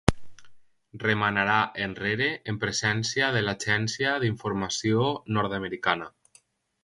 Remarà enrere en presència de l'agència d'informació nord-americana.